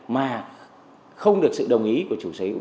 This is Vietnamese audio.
mà không được sự đồng ý của chủ sở hữu